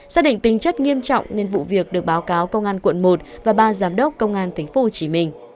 xác định tính chất nghiêm trọng nên vụ việc được báo cáo công an quận một và ba giám đốc công an tp hcm